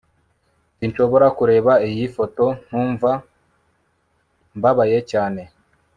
sinshobora kureba iyi foto ntumva mbabaye cyane